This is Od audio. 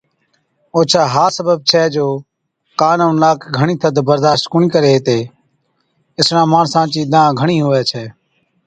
اوڇا ها سبب ڇَي جو ڪان ائُون ناڪ گھڻِي ٿڌ برداشت ڪونهِي ڪري هِتي۔ اِسڙان ماڻسان چِي دانهن گھڻِي هُوَي ڇَي۔